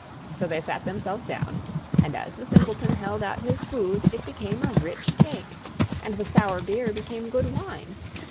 So they sat themselves down, and as the Simpleton held out his food it became a rich cake, and the sour beer became good wine.